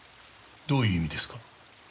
どういう意味ですか？